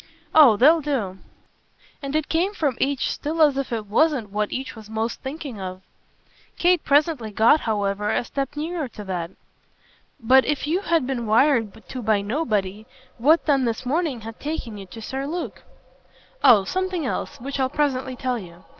"Oh they'll do." And it came from each still as if it wasn't what each was most thinking of. Kate presently got however a step nearer to that. "But if you had been wired to by nobody what then this morning had taken you to Sir Luke?" "Oh something else which I'll presently tell you.